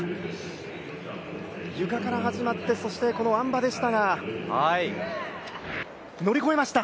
ゆかから始まって、このあん馬でしたが、乗り越えました。